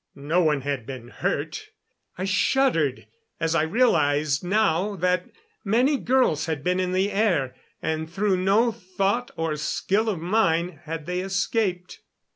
No one had been hurt. I shuddered as I realized now that many girls had been in the air, and through no thought or skill of mine had they escaped.